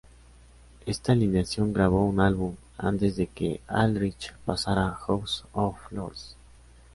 Esta alineación grabó un álbum, antes de que Aldrich pasara a House of Lords